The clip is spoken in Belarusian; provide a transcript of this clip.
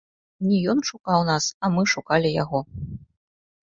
Не ён шукаў нас, а мы шукалі яго.